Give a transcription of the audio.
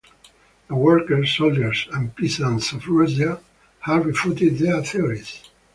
The workers, soldiers, and peasants of Russia have refuted their theories.